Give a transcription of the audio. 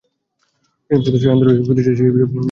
তিনি ব্রতচারী আন্দোলনের প্রতিষ্ঠাতা হিসেবে বহুল পরিচিত।